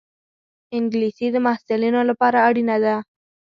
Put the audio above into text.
انګلیسي د محصلینو لپاره اړینه ده